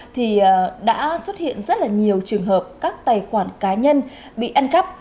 thì đã xuất hiện rất là nhiều trường hợp các tài khoản cá nhân bị ăn cắp